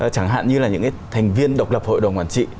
chẳng hạn như là những cái thành viên độc lập hội đồng quản trị